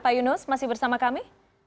pak yunus masih bersama kami